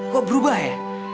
kok berubah ya